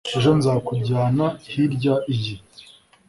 Ejo nzakujyana hirya iyi